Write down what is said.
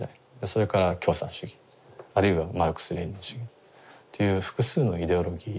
それから共産主義あるいはマルクス・レーニン主義という複数のイデオロギー。